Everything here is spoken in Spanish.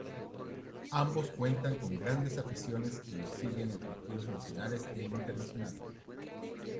Ambos cuentan con grandes aficiones que los siguen en partidos nacionales e internacionales.